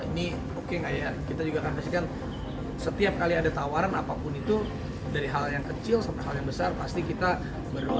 ini oke nggak ya kita juga akan pastikan setiap kali ada tawaran apapun itu dari hal yang kecil sampai hal yang besar pasti kita berharap